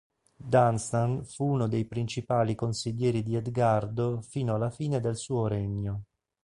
Dunstan fu uno dei principali consiglieri di Edgardo fino alla fine del suo regno.